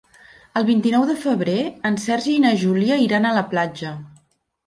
El vint-i-nou de febrer en Sergi i na Júlia iran a la platja.